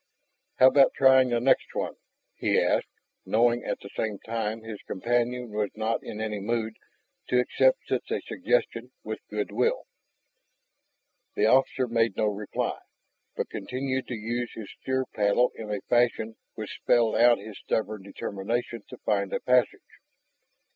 "How about trying the next one?" he asked, knowing at the same time his companion was not in any mood to accept such a suggestion with good will. The officer made no reply, but continued to use his steer paddle in a fashion which spelled out his stubborn determination to find a passage.